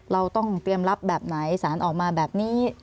เราต้องเตรียมรับแบบไหนสารออกมาแบบนี้